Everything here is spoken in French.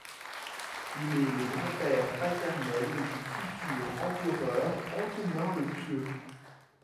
Il est le grand-père paternel du futur empereur Antonin le Pieux.